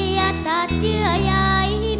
อย่าตัดเยื่อใย